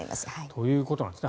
ということなんですね。